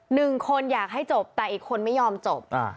หนึ่งคนอยากให้จบแต่อีกคนไม่ยอมจบอ่า